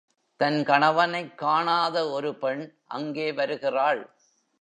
தன் கணவனைக் காணாத ஒரு பெண் அங்கே வருகிறாள்.